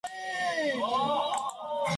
The work on all of them very creditable.